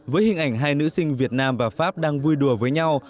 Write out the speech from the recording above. với hình ảnh hai nữ sinh việt nam và pháp đang vui đùa với nhau